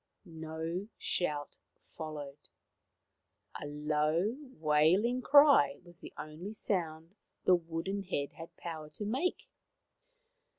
No shout followed. A low, wailing cry was the only sound the wooden head had power to make.